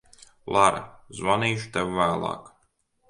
Lara, zvanīšu tev vēlāk.